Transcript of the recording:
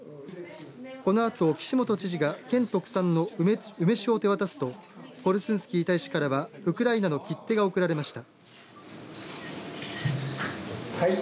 このあと岸本知事が県特産の梅酒を手渡すとコルスンスキー大使からはウクライナの切手が贈られました。